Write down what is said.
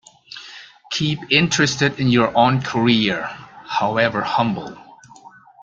Keep interested in your own career, however humble